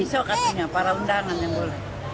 besok katanya para undangan yang boleh